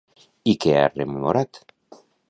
I què ha rememorat?